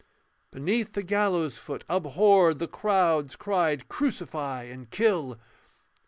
Beneath the gallows' foot abhorred The crowds cry 'Crucify!' and 'Kill!'